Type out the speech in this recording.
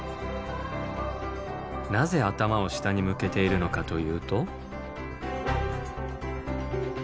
なぜ頭を下に向けているのかというと。